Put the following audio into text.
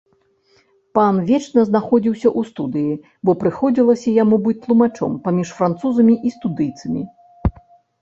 Пан вечна знаходзіўся ў студыі, бо прыходзілася яму быць тлумачом паміж французамі і студыйцамі.